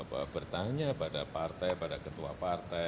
kita mau bertanya pada partai pada ketua partai